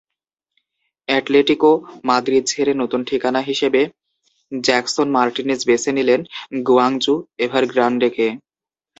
Atletico Madrid ছেড়ে নতুন ঠিকানা হিসেবে জ্যাকসন মার্টিনেজ বেছে নিলেন গুয়াংজু এভারগ্রান্ডেকে।